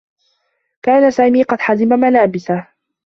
كان سامي قد حزم ملابسه.